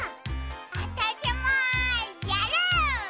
わたしもやる！